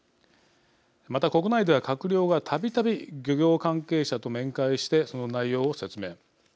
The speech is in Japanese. また、国内では閣僚がたびたび漁業関係者と面会してその内容を説明。